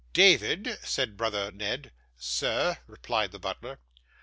'David,' said brother Ned. 'Sir,' replied the butler.